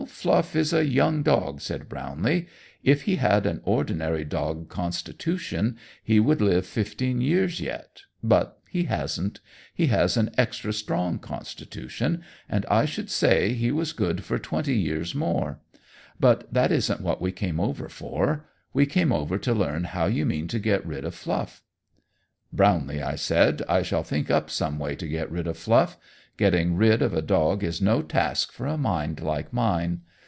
"Fluff is a young dog," said Brownlee. "If he had an ordinary dog constitution, he would live fifteen years yet, but he hasn't. He has an extra strong constitution, and I should say he was good for twenty years more. But that isn't what we came over for. We came over to learn how you mean to get rid of Fluff." "Brownlee," I said, "I shall think up some way to get rid of Fluff. Getting rid of a dog is no task for a mind like mine.